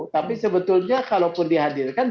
tapi sebetulnya kalaupun dihadirkan